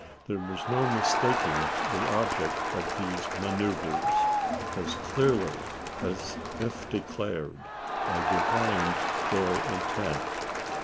There was no mistaking the object of these manoeuvres. As clearly as if declared. I divined their intent.